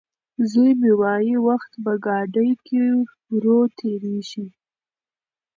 زوی مې وايي وخت په ګاډي کې ورو تېرېږي.